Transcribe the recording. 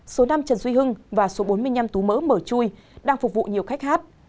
số năm trần duy hưng và số bốn mươi năm tú mỡ mở chui đang phục vụ nhiều khách hát